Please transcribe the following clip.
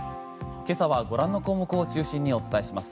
今朝はご覧の項目を中心にお伝えします。